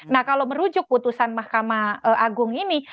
nah kalau merujuk putusan mahkamah agung ini